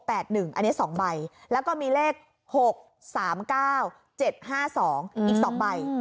อันนี้๒ใบแล้วก็มีเลข๖๓๙๗๕๒อีก๒ใบ